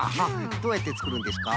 どうやってつくるんですか？